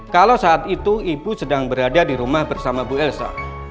kalau saat itu ibu sedang berada di rumah bersama bu elsa